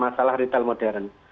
masalah retail modern